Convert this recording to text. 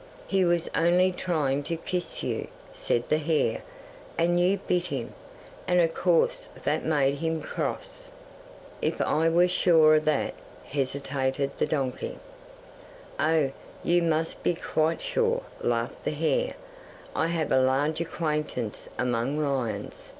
'"He was only trying to kiss you," said the hare, "and you bit him, and of course that made him cross." '"If I were sure of that," hesitated the donkey. '"Oh, you may be quite sure," laughed the hare. "I have a large acquaintance among lions.